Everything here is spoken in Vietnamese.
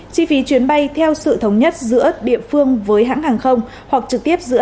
chi phí chuyến bay theo sự thống nhất giữa địa phương với hãng hàng không hoặc trực tiếp giữa